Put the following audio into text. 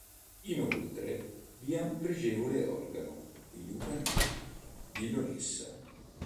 Inoltre vi è un pregevole organo di Luca Neri di Leonessa.